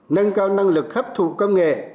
nâng cao năng lực hấp thụ công nghệ